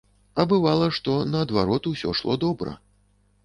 А бывала, што, наадварот, усё ішло добра.